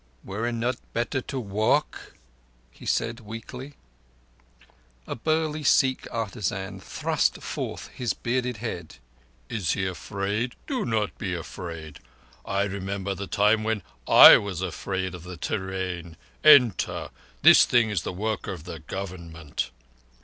"Were it not better to walk?" said he weakly. A burly Sikh artisan thrust forth his bearded head. "Is he afraid? Do not be afraid. I remember the time when I was afraid of the train. Enter! This thing is the work of the Government."